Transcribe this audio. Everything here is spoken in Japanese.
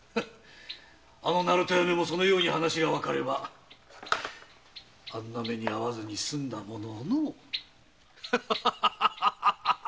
あの鳴門屋めもそのように話がわかればあんな目に遭わずに済んだものをのう。